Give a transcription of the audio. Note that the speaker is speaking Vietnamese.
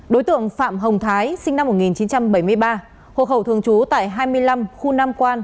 đối tượng phạm hồng thái sinh năm một nghìn chín trăm bảy mươi ba hộ khẩu thường trú tại hai mươi năm khu nam quan